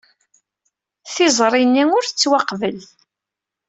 Tiẓri-nni ur tettwaqbel.